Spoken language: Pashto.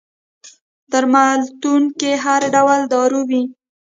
درملتون کي هر ډول دارو وي